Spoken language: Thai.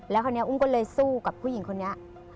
แล้วคราวนี้อุ้มก็เลยสู้กับผู้หญิงคนนี้